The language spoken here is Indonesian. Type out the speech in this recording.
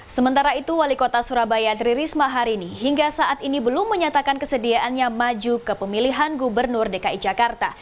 sementara itu wali kota surabaya tri risma hari ini hingga saat ini belum menyatakan kesediaannya maju ke pemilihan gubernur dki jakarta